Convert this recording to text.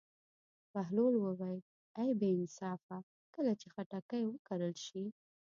بهلول وویل: ای بې انصافه کله چې خټکی وکرل شي.